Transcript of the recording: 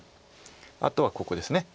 あとはここです。